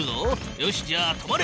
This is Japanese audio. よしじゃあ止まれ！